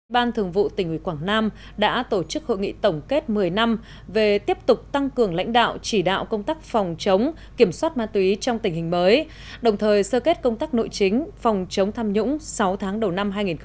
ban thường vụ tỉnh ủy quảng nam đã tổ chức hội nghị tổng kết một mươi năm về tiếp tục tăng cường lãnh đạo chỉ đạo công tác phòng chống kiểm soát ma túy trong tình hình mới đồng thời sơ kết công tác nội chính phòng chống tham nhũng sáu tháng đầu năm hai nghìn một mươi chín